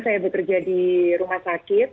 saya bekerja di rumah sakit